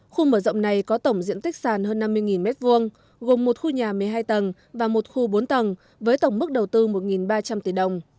khu mở rộng này có tổng diện tích sàn hơn năm mươi m hai gồm một khu nhà một mươi hai tầng và một khu bốn tầng với tổng mức đầu tư một ba trăm linh tỷ đồng